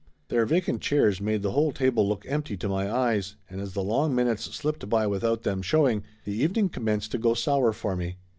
Their vacant chairs made the whole table look empty to my eyes, and as the long minutes slipped by without them showing, the evening commenced to go sour for me.